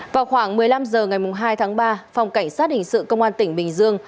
vào khoảng một mươi năm h ngày hai tháng ba phòng cảnh sát hình sự công an tỉnh bình dương